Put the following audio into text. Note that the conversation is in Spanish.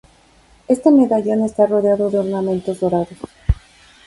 Este medallón está rodeado de ornamentos dorados.